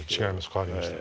変わりました。